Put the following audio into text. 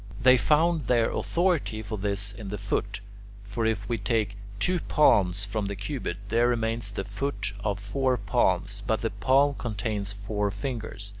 They found their authority for this in the foot. For if we take two palms from the cubit, there remains the foot of four palms; but the palm contains four fingers.